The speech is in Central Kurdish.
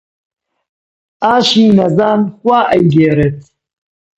ئاشی نەزان خوا ئەیگێڕێت